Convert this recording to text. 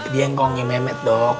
dia ngkongnya mehmet dok